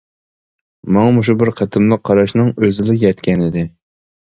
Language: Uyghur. ماڭا مۇشۇ بىر قېتىملىق قاراشنىڭ ئۆزىلا يەتكەنىدى.